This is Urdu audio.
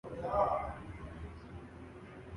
اب اسے کسی آئینی طریقے ہی سے ختم کیا جا سکتا ہے۔